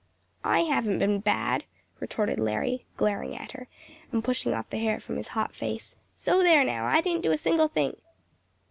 "I haven't been bad," retorted Larry, glaring at her, and pushing off the hair from his hot face, "so there, now; I didn't do a single thing."